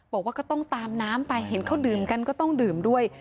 บอกว่าก็ต้องตามน้ำไปเห็นเขาดื่มกันก็ต้องดื่มด้วย